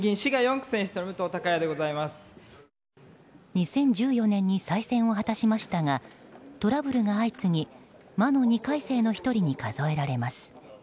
２０１４年に再選を果たしましたがトラブルが相次ぎ魔の２回生の１人に数えられます。